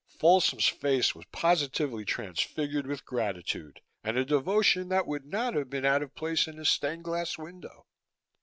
Folsom's face was positively transfigured with gratitude and a devotion that would not have been out of place in a stained glass window.